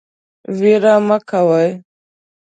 ویره مه کوئ